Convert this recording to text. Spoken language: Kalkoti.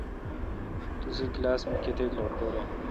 توسی کلاس مہ کتیک لٹکور این۔